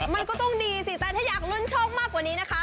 มันก็ต้องดีสิแต่ถ้าอยากลุ้นโชคมากกว่านี้นะคะ